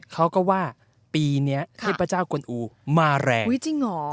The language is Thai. เขาก็ว่าปีนี้เทพเจ้ากวนอู๋มาแรง